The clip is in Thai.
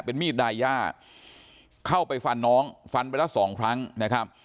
มีดดาย่าเข้าไปฟันน้องฟันไปละสองครั้งนะครับ